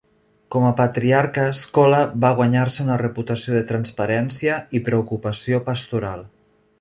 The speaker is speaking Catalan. Com a patriarca Scola va guanyar-se una reputació de transparència i preocupació pastoral.